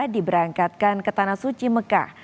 diberangkatkan ke tanah suci mekah